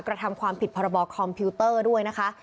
กระทำความผิดพรบคอมพิวเตอร์ด้วยนะคะ